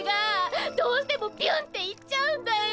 どうしてもビュンって行っちゃうんだよ。